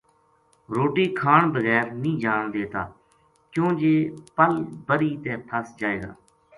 روٹی کھان بغیر نیہہ جان دیتا کیوں جے پل بری تے پھس جائے گا۔